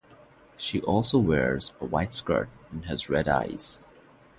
She also wears a white skirt and has red eyes.